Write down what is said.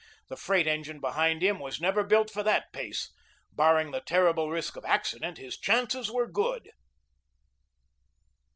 The freight engine behind him was never built for that pace. Barring the terrible risk of accident, his chances were good.